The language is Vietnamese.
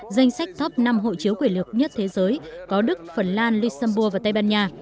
danh sách top năm hộ chiếu quyền lực nhất thế giới có đức phần lan luxembourg và tây ban nha